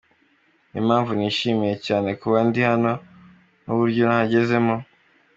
Ni yo mpamvu nishimiye cyane kuba ndi hano n'uburyo nahagezemo.